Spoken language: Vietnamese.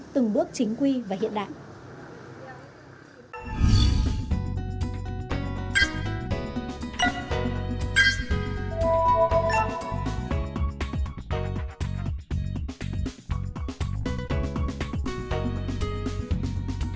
từng bước chính quy và hiện đại